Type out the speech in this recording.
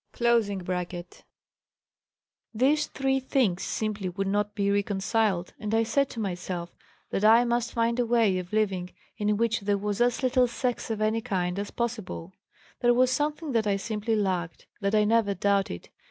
] These three things simply would not be reconciled and I said to myself that I must find a way of living in which there was as little sex of any kind as possible. There was something that I simply lacked; that I never doubted.